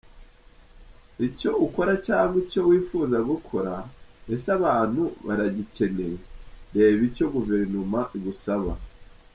Icyo ukora cyangwa icyo wifuza gukora, ese abantu baragikeneye? Reba icyo guverinoma igusaba.